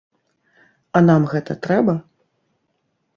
А нам гэта трэба?!